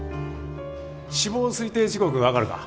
死亡推定時刻分かるか？